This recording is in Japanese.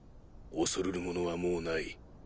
恐るるものはもうない。